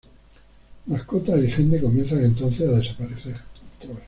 Mascotas y gente comienzan entonces a desaparecer.